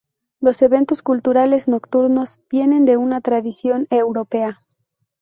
Los eventos culturales nocturnos vienen de una tradición europea.